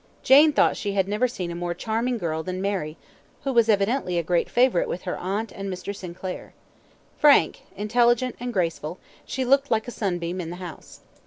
Jane thought she had never seen a more charming girl than Mary, who was evidently a great favourite with her aunt and Mr. Sinclair. Frank, intelligent, and graceful, she looked like a sunbeam in the house.